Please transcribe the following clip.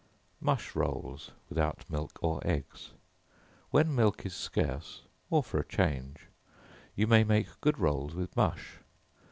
Mush Rolls, without Milk or Eggs. When milk is scarce, (or for a change,) you can make good rolls with mush.